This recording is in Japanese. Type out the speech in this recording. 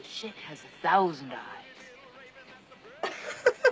フフフ！